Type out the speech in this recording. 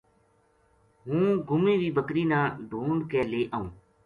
ہوں گُمی وی بکری نا ڈُھونڈ کے لے آؤں